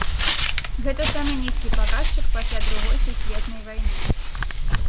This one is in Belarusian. Гэта самы нізкі паказчык пасля другой сусветнай вайны.